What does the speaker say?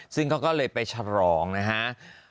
ซึ่งเขาก็เลยไปฉลองนะฮะ